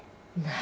何？